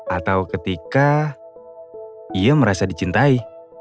atau ketika ia merasa dicintai